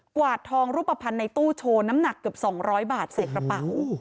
วาดทองรูปภัณฑ์ในตู้โชว์น้ำหนักเกือบ๒๐๐บาทใส่กระเป๋า